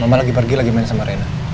mama lagi pergi lagi main sama rena